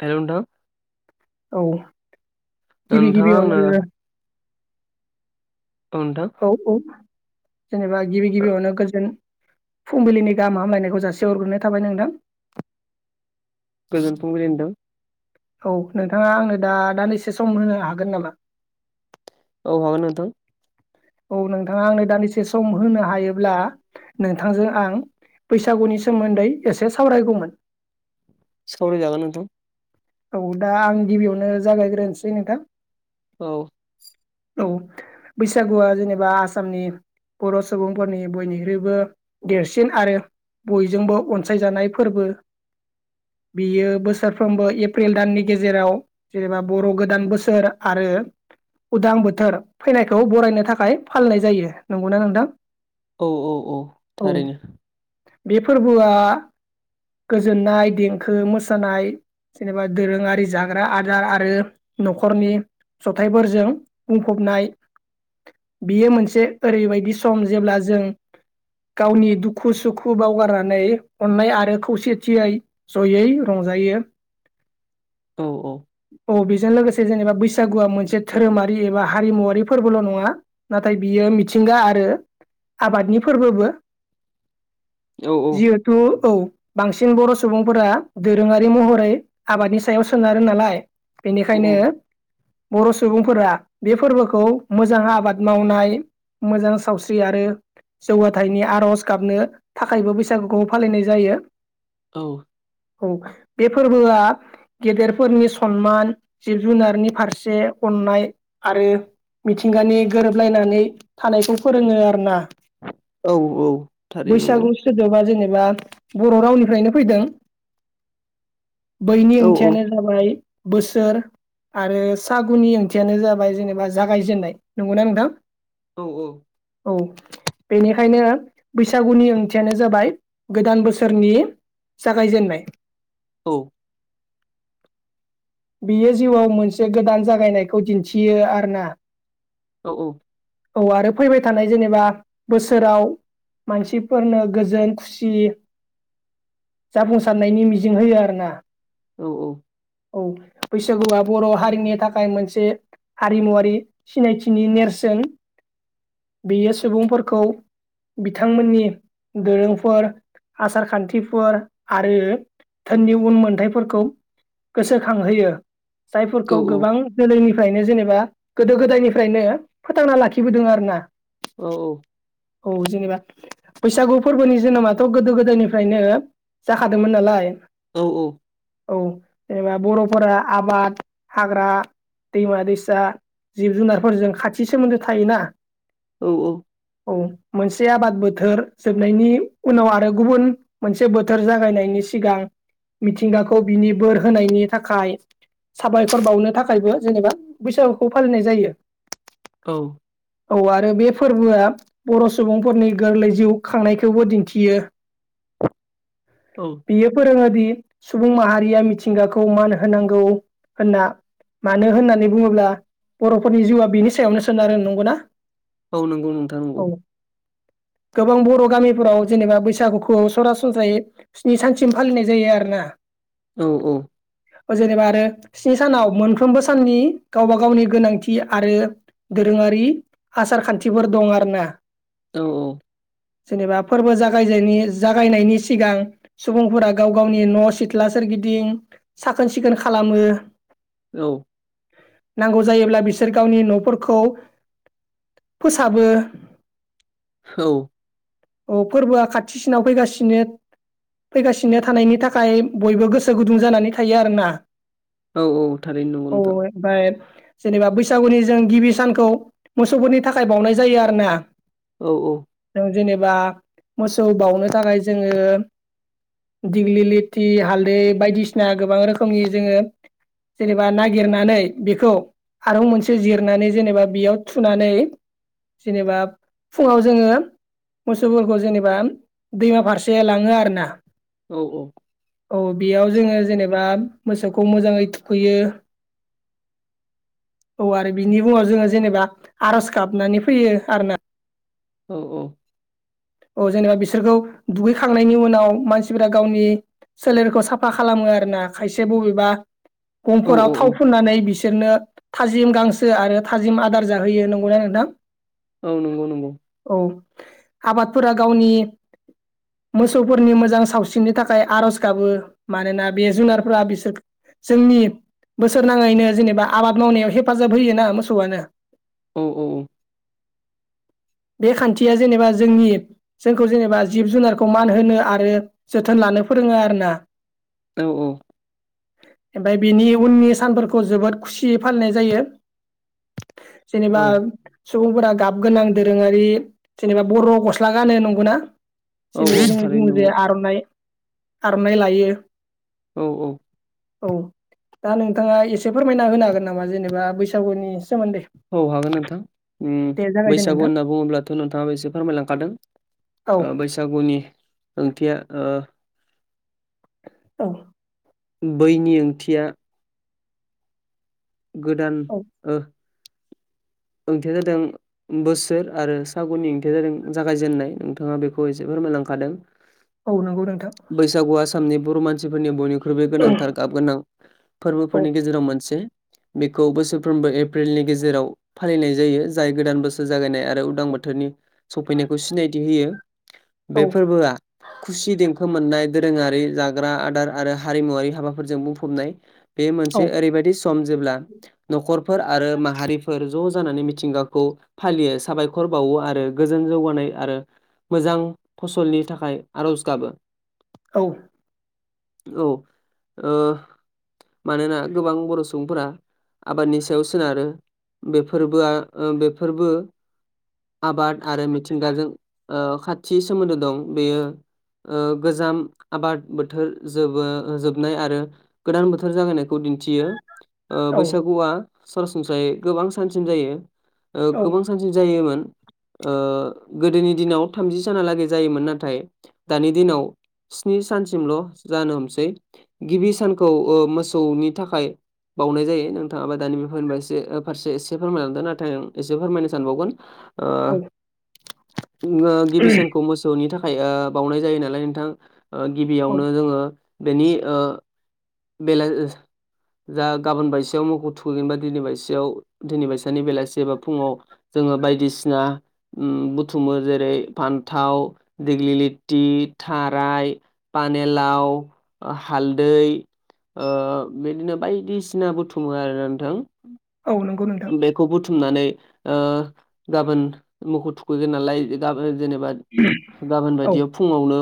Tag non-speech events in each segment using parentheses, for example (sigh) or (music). Hello नोंथां औ गिबि नोंथाङा आंनो औ गिबियावनो नोंथां औ - औ जेनेबा गिबि ओ गिबियावनो गोजोन फुंबिलिनि गाहाम हामलायनायखौ जासे हरग्रोनाय थाबाय नोंथां गोजोन फुंबिलि नोंथां होनदों औ नोंथांङा आंनो द दान्दिसे सम होनो हागोन नामा औ हागोन नोंथां औ नोंथांङा आंनो दानिदिसे सम होनो हायोब्ला नोंथांजों आं बैसागुनि सोमोन्दै एसे सावरायगौमोन सावरायनजागोन नोंथां औ दा आं गिबियावनो जागायग्रोनोसै नोंथां औ औ बैसागुआ जेनेबा आसामनि बर' सुबुंफोरनि बयनिख्रुइबो देरसिन आरो बयजोंबो अनसायजानाय फोरबो बियो बोसोरफ्रोमबो एप्रिल दाननि गेजेराव जेनेबा बर' गोदान बोसोर आरो उदां बोथोर फैनायखौ बरायनो थाखाय फालिनाय जायो नंगौना नोंथां औ - औ - औ थारैनो बे फोरबोआ गोजोननाय देंखो मोसानाय जेनेबा दोरोंङारि जाग्रा आदार आरो न'खरनि जथायफोरजों बुंफबनाय बियो मोनसे ओरैबायदि सम जेब्ला जों गावनि दुखु सुखु बावगारनानै अननाय आरो खौसेथियै जयै रं जायो औ - औ औ बेजों लोगोसे जेनेबा बैसागुआ मोनसे धोरोमारि एबा हारिमुवरारि फोरबोल' नंङा नाथाय बियो मिथिंगा आरो आबादनि फोरबोबो औ जिहेथु औ बांसिन बर' सुबुंफोरा दोरोंङारि महरै आबादनि सायाव सोनारो नालाय औ बेनिखायनो बर' सुबुंफोरा बे फोरबोखौ मोजां आबाद मावनाय मोजां सावस्रि आरो जौगाथायनि आर'ज गाबनो थाखायबो बैसागुखौ फालिनाय जायो । औ औ बे फोरबोआ गेदेरफोरनि सनमान जिब जुनारनि फारसे अननाय आरो मिथिंगानि गोरोबलायनानै थानायखौ फोरोंङो आरो ना औ औ थारैनो नंगौ बैसागु सोदोबा जेनेबा बर' रावनिफ्रायनो फैदों । बैनि औ औ ओंथियानो जाबाय बोसोर आरो सागुनि ओंथियानो जाबाय जेनेबा जागायजेननाय नंगौना नोंथां औ - औ औ बेनिखायनो बैसागुनि ओंथियानो जाबाय गोदान बोसोरनि जागायजेननाय औ (inaudible) बियो जिउआव मोनसे गोदान जागायनायखौ दिन्थियो आर ना औ - औ औ आरो फैबाय थानाय जेनेबा बोसोराव मानसिफोरनो गोजोन खुसि जाफुंसारनायनि मिजिं होयो आरो ना औ औ औ बैसागुआ बर' हारिनि थाखाय मोनसे हारिमुवारि सिनायथिनि नेरसोन बेयो सुबुंफोरखौ बिथांमोननि दोरोंफोर आसार खान्थिफोर आरो नि उन मोनथायफोरखौ गोसोखांहोयो जायफोरखौ गोबां जोलैनि निफ्रायनो जेनेबा गोदो गोदायनिफ्रायनो फोथांना लाखिबोदों आरो ना औ औ औ जेनेबा बैसागु फोरबोनि जोनोमाथ' गोदो गोदायनिफ्रायनो जाखादोंमोन नालाय औ औ औ जेनेबा बर'फोरा आबाद हाग्रा दैमा दैसा जिब जुनारफोरजों खाथि सोमोन्दो थायोना। औ औ औ मोनसे आबाद बोथोर जोबनायनि उनाव आरो गुबुन मोनसे बोथोर जागायनायनि सिगां मिथिंगाखौ बिनि बोर होनायनि थाखाय साबायखर बावनो थाखायबो जेनेबा बैसागुखौ फालिनाय जायो। औ औ आरो बे फोरबोआ बर' सुबुंफोरनि गोरलै जिउ खांनायखौबो दिन्थियो। औ बियो फोरोङोदि सुबुं माहारिया मिथिंगाखौ मान होनांगौ होनना। मानो होननानै बुङोब्ला बर'फोरनि जिउआ बिनि सायावनो सोनारो नंगौ ना? औ नंगौ नोंथाङा नंगौ। गोबां बर' गामिफोराव जेनेबा बैसागुखौ सरासनस्रायै स्नि सानसिम फालिनाय जायो आरोना औ औ ओ जेनेबा आरो स्नि सानाव मोनफ्रोमबो साननि गावबा गावनि गोनांथि आरो दोरोङारि आसार खान्थिफोर दं आरना औ औ जेनेबा फोरबो जागाय जागायनायनि सिगां सुबुंफोरा गाव गावनि न' सिथ्ला सोरगिदिं साखोन सिखोन खालामो। औ नांगौ जायोब्ला बिसोर गावनि न'फोरखौ फोसाबो औ अ फोरबोआ खाथिसिनाव फैगासिनो फैगासिनो थानायनि थाखाय बयबो गोसो गुदुं जानानै थायो आरोना औ औ थारैनो नंगौ औ नोंथां ओमफ्राय जेनेबा बैसागुनि जों गिबि सानखौ मोसौफोरनि थाखाय बावनाय जायो आरो ना औ औ जेनेबा मोसौ बाउनो थाखाय जोङो दिग्लिलिथि हालदै बायदिसिना गोबां रोखोमनि जोङो जेनेबा नागिरनानै बेखौ हारं मोनसे जिरनानै जेनेबा बेयाव थुनानै जेनेबा फुङाव जोङो मोसौफोरखौ जेनेबा दैमा फारसे लाङो आरोना। औ औ औ बेयाव जोङो जेनेबा मोसौखौ मोजाङै थुखैयो औ आरो बिनि मुङाव जोङो जेनेबा आर'ज गाबनानै फैयो आरना। औ औ औ जेनेबा बिसोरखौ दुगैखांनायनि उनाव मानसिफोरा गावनि सोलेरखौ साफा खालामो आरो ना खायसे बबेबा औ गंफोराव थाव औ फुननानै बिस सोरनो थाजिम गांसो आरो थाजिम आदार जाहोयो नंगौना नोंथां? औ नंगौ नंगौ औ आबादफोरा गावनि मोसौफोरनि मोजां सावस्रिरिनि थाखाय आर'ज गाबो मानोना बे जुनारफोरा बिसोर जोंनि बोसोर नाङैनो जेनेबा आबाद मावनायाव हेफाजाब होयोना मोसौआनो औ औ औ बे खान्थिया जेनेबा जोंनि जोंखौ जेनेबा जिब-जुनारखौ मान होनो आरो जोथोन लानो फोरोङो आरोना औ औ ओमफाय बिनि उननि सानफोरखौ जोबोद खुसियै फालिनाय जायो औ जेनेबा सुबुंफोरा गाब गोनां दोरोङारि जेनेबा बर' गस्ला गानो नंगौना औ जेरै औ जोङो थारैनो बुंङो जे नंगौ आर'नाइ आर'नाइ लायो । औ औ औ दा नोंथाङा एसे फोरमायना होनो हागोन नामा जेनेबा बैसागुनि सोमोन्दै औ हागोन नोंथां ओम दे जागायदो बैसागु नोंथां होनना बुङोब्लाथ' नोंथाङा फोरमायलांखादों औ बैसागुनि ओंथिया ओ औ बैनि ओंथिया गोदान औ ओ ओंथिया जादों बोसोर आरो सागुननि ओंथिया जादों जागायजेननाय नोंथाङा बेखौ एसेबा मोनलांखादों औ नंगौ नोंथां आसामनि बर' मानसिफोरनि बयनिख्रुइबो गोनांथार गाब गोनां औ फोरबोफोरनि गेजेराव मोनसे बेखौ बोसोरफ्रोमबो एप्रिलनि गेजेराव फालिनाय जायो जाय गोदान बोसोर जागायनाय आरो उदां बोथोरनि सफैनायखौ सिनायथि होयो औ बे फोरबोआ खुसि देंखो मोननाय दोरोङारि जाग्रा आदार आरो हारिमुवरारि हाबाफोरजों बुंफबनाय बे औ मोनसे ओरैबायादि सम जेब्ला न'खरफोर आरो माहारि फोर ज' जानानै मिथिंगाखौ फालियो साबायख'र बावो आरो गोजोन जौगानाय आरो मोजां फसलनि थाखाय आर'ज गाबो । औ औ ओ मानोना गोबां बर' सुबुंफोरा आबादनि सायाव सोनारो बे फोरबोआ बेफोरबो आबाद आरो मिथिंगाजों ओ खाथि सोमोन्दो दं बेयो ओ गोजाम आबाद बोथोर जोबो जोबनाय आरो गोदान बोथोर जागायनायखौ दिन थियो ओ बैसागुआ ससनस्रायै गोबां सानसिम जायो ओ औ गोबां सानसि जायोमोन ओ गोदोनि दिनाव थामजि सानालागै जायोमोन नाथाय दानि दिनाव स्नि सानसिमल' जानो हमसै गिबि सानखौ ओ मोसौनि थाखाय बावनाय जायो नोंथाङाबा दानि बेफोरनि फारसे फारसे एसे फोरमायलांदों नाथाय आं एसे फोरमायनो सानबावगोन ओ औ ओ गिबि सानखौ मोसौनि थाखाय खाय ओ बावनाय जायो नालाय नोंथां औ गिबियावनो जोङो बेनि ओ बेला जा गाबोन बायसेयाव मख' थुखैगोनबा दिनै बायसेयाव दिनै बायसानि बेलासिबा फुङाव जोङो बायदिसिना ओम बुथुमो जेरै फानथाव दिगलिलिटि थाराइ पानेलाव ओ हा हालदै ओ बिदिनो बायदिसिना बुथुमो आरो नोंथां औ नंगौ नोंथां बेखौ बुथुमनानै गाबोन मोखौ थुखैगोन नालाय गाबोन जेनेबा गाबोन औ बायदियाव फुङावनो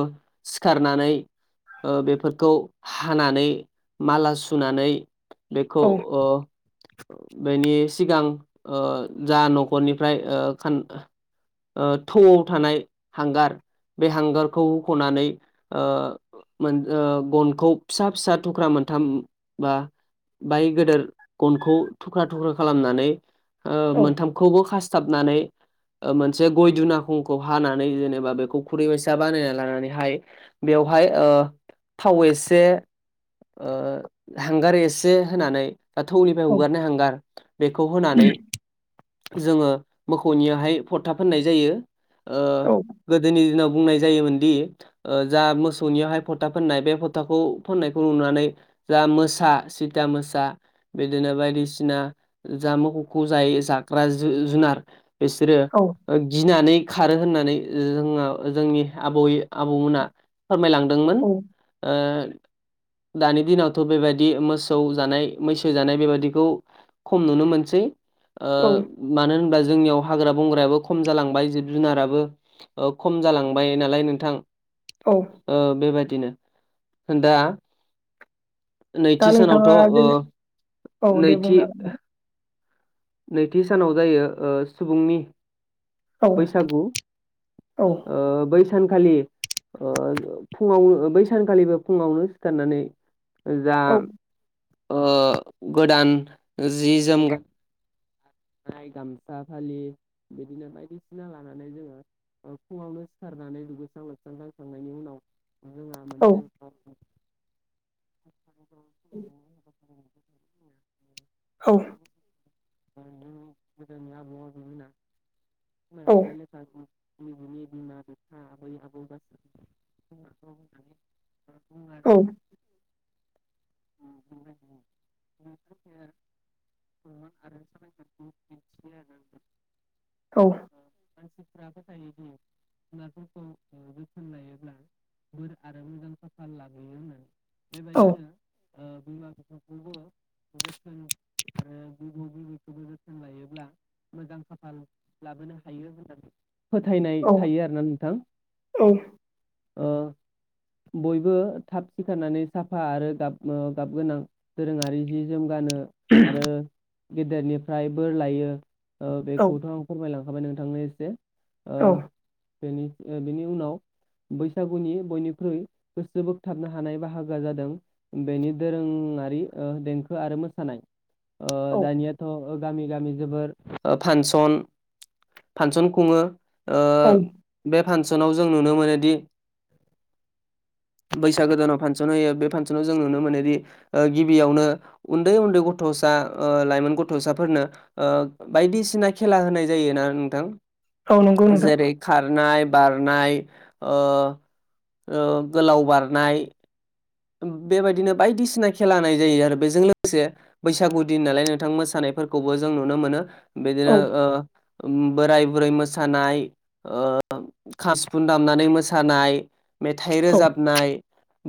सिखारनानै ओ बेफोरखौ हानानै माला सुनानै बेखौ औ ओ बेनि सिगां ओ जा ओ न'खरनिफ्रायान आ थौआव थानाय हांगार बे हांगारखौ होख'नानै ओ मोन गनखौ फिसा फिसा थुख्रा मोनथाम बा बाय गेदेर गनखौ थुख्रा थुख्रा खालामनानै ओ औ मोनथामखौबो खा थाबनानै मोनसे गय दुनाखंखौ हानानै जेनेबा बेखौ खुरै बायसा बानायना लानानै हाय बेयाव बेवहाय ओ थाव एसे ओ हांगार एसे होनानै दा थौनिफ्राय औ हगारनाय हांगार बेखौ होनानै जोङो मोखौनियावाहाय फ'था फोननाय जायो गोदोनि दिनाव बुंनाय जायोमोनदि जा मोसौनियावहाय फ'था फोननाय बे फ'थाखौ फाननायखौ नुनानै जा मोसा सिता मोसा बिदिनो बायदिसिना जा मोसौखौ जाय जाग्रा जुनार बिसोरो औ ओ गिनानै खारो होननानै जोंहा जोंनि आबै आबौमोना फोरमायलांदोंमोन ओ दानि दिनावथ' बेबायदि मोसौ जानाय मैसो जानाय बेबायाददिखौ खम नुनो मोनसै आ औ मानो होनबा जोंनियाव हाग्रा बंग्रायाबो खम जालांबाय जिब जुनाराबो ओ खम जालांबाय नालाय नोंथां औ बेबायदिनो होन दा दा नैथि सानावथ' नोंथाङा ओ जेन औ दे नैथि बुंनो हागोन नोंथां। नैथि सानाव जायो ओ सुबुंनि बैसागु औ ओ बै सानखालि फुङावनो बै सानखालिबो फुङावनो सिखारनानै औ जाओ गोदान जि जोम गा नाय गामसा फालि बिदिनो बायदिसिना लानानै जोङो फुङावनो सिखारनानै दुगैस्रां लोबस्रां खांनायनि उनाव औ आ औ औ (unintelligible) गोदोनि आबै औ आबौमोनहा (unintelligible) निजेनि बिमा बिफा, आबै आबौ गासैखौबो (unintelligible) औ (unintelligible) बुहुद आरो साबायखर बावो बिदिनोसै आरो नोंथां औ मानसि फोथायोदि जुनारफोरखौ जोथोन लायोब्ला बोर आरो मोजां खाफाल लाबोयो होननानै बेबायदिनो आ बिमा बिफाखौबो जोथोन आरो बिबौ बिबैखौबो जोथोन लायोब्ला मोजां खाफाल लाबोनो हायो होननानै फोथायनाय थायो आरोना नोंथां ओ (inaudible) बयबो थाब सिखारनानै साफा आरो गाब गाब गोनां दोरोङारि जि जोम गानो आरो गेदेरनिफ्राय बोर लायो ओ बेखौथ' आं फोरमायलांखा बाय नों थांनाय एसे ओ बेनि उनाव बैसागुनि बयनिख्रुइ गोसो बोगथाबनो हानाय बाहागो जादों बेनि दोरों देंखो आरो मोसानाय औ दानियाथ' गामि गामि जोबोर फांसन फांसन खुङो औ बे फांसनाव जों नुनो मोनोदि (inaudible) बैसागोदानाव फांसन होयो बे फांसनाव जों नुनो मोनोदि गिबियावनो उन्दै उन्दै गथ' गथ'सा लाइमोन गथ'साफोरनो बायदिसिना खेला होनाय जायोना नोंथां औ नंगौ नोंथां जेरै खारनाय बारनाय गोलाव बारनाय बेबायदिनो बायदिसिना खेला होननाय जायो आरो बेजों लोगोसे बैसागु दिन नालाय नोंथां मोसानाय बो जों नुनो मोनो औ बिदिनो बोराय बुरै मोसानाय खाम सिफुं दामनानै मोसानाय मेथाइ औ रोजाबनाय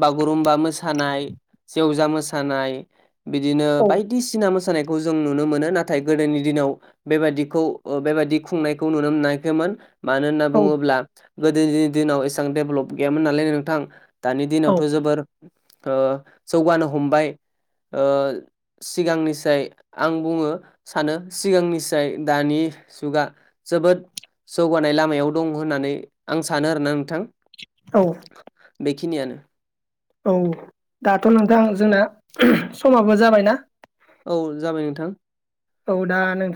बाव मोसानाय जेवजा मोसानाय बिदिनो बायदिसिना मोसानाय खौ जों नुनो मोनो नाथाय गोदोनि दिनाव बेबादिखौ बेबायादि खुंनायखौ नुनो मोनाखैमोन मानो होनना बुङोब्ला गोदोनि दिनाव एसेबां डेभेलप गैयामोन नालाय नोंथां दानि दिन औ जोबोर जौगानो हमबाय सिगांनिसाय आं बुङो सानो सिगांनिसाय दानि जुगा जोबोद जौगानाय लामायाव दं होननानै आं सानो आरोना नोंथां औ बेखिनियानो औ दाथ' नोंथां जोंना समाबो जाबायना औ जाबाय नोंथां औ दा नोंथां